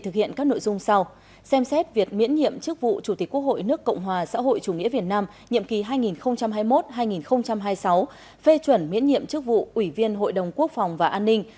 phê chuẩn miễn nhiệm chức vụ ủy viên hội đồng quốc phòng và an ninh